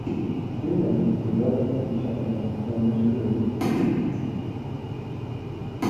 Two men converse with each other in a furnished room.